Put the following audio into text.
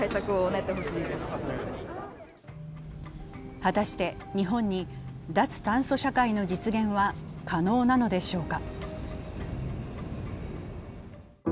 果たして日本に脱炭素社会の実現は可能なのでしょうか。